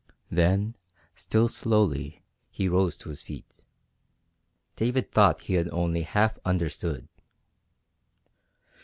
Then, still slowly, he rose to his feet. David thought he had only half understood.